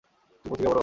তুমি পত্রিকা পড়ো?